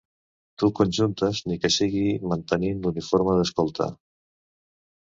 Tu conjuntes, ni que sigui mantenint l'uniforme d'escolta.